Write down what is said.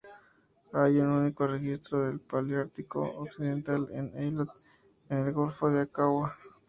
Hay un único registro del Paleártico occidental, en Eilat, en el golfo de Aqaba.